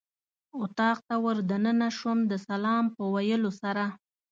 اتاق ته ور دننه شوم د سلام په ویلو سره.